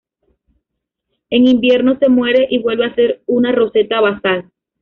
En invierno, se muere y vuelve a ser una roseta basal.